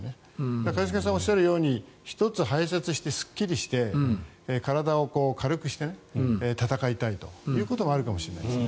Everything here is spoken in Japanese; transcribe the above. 一茂さんがおっしゃるように１つ排せつしてすっきりして体を軽くして戦いたいということはあるかもしれないですね。